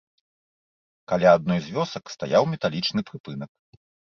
Каля адной з вёсак стаяў металічны прыпынак.